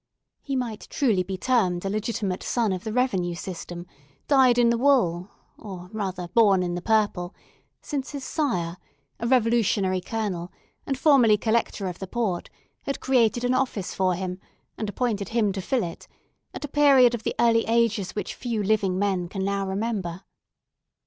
He might truly be termed a legitimate son of the revenue system, dyed in the wool, or rather born in the purple; since his sire, a Revolutionary colonel, and formerly collector of the port, had created an office for him, and appointed him to fill it, at a period of the early ages which few living men can now remember.